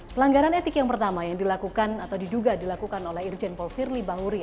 pelanggaran etik yang pertama yang dilakukan atau diduga dilakukan oleh irjen paul firly bahuri